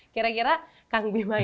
kira kira kang bima